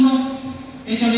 thế còn thì